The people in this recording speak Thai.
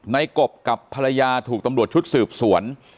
กบกับภรรยาถูกตำรวจชุดสืบสวน